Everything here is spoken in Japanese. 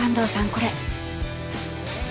これ。